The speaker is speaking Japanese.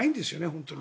本当に。